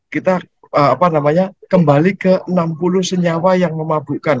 kita kembali ke enam puluh senyawa yang memabukkan